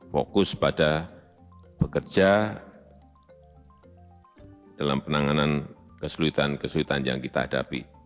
fokus pada bekerja dalam penanganan kesulitan kesulitan yang kita hadapi